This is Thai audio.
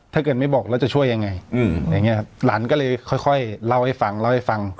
ถ้าเกิดไม่บอกแล้วจะช่วยยังไงอย่างนี้ครับหลานก็เลยค่อยเล่าให้ฟังเล่าให้ฟัง